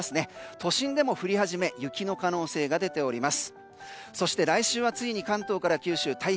都心でも降り始め雪の可能性が出ています。